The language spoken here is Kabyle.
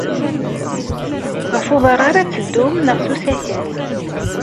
Ɣef uḍar ara teddum neɣ s usakal?